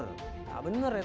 enggak bener ya tadi